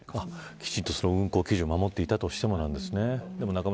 きちんと運航基準を守っていたとしてもなんですね。